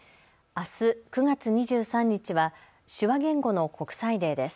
あす９月２３日は手話言語の国際デーです。